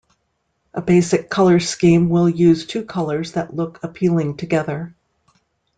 A basic color scheme will use two colors that look appealing together.